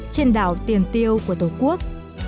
trên đảo tiền tiêu của tổ quốc